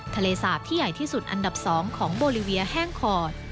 ทะเลสาบที่ใหญ่ที่สุดอันดับ๒ของโบลิเวียแห้งขอด